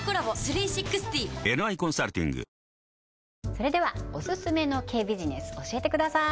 それではオススメの毛ビジネス教えてください